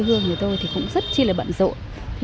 thầy cũng cho đi